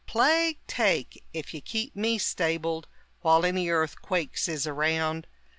Plague take! ef you keep me stabled While any earthquakes is around!